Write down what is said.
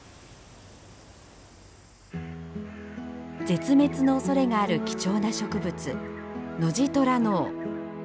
絶滅のおそれがある貴重な植物ノジトラノオ。